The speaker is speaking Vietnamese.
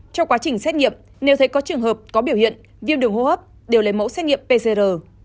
trong quá trình xét nghiệm nếu thấy có trường hợp có biểu hiện viêm đường hô hấp đều lấy mẫu xét nghiệm pcr